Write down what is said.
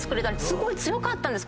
すごい強かったんです